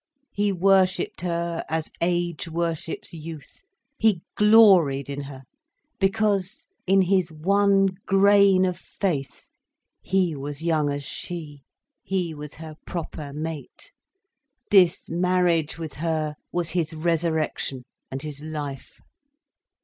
He worshipped her as age worships youth, he gloried in her, because, in his one grain of faith, he was young as she, he was her proper mate. This marriage with her was his resurrection and his life.